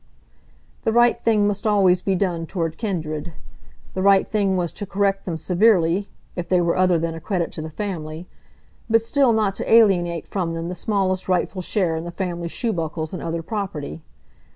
The right thing must always be done toward kindred. The right thing was to correct them severely, if they were other than a credit to the family, but still not to alienate from them the smallest rightful share in the family shoebuckles and other property.